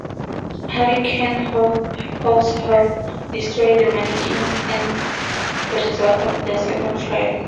Huracan also helped destroy the manikins, the results of their second try.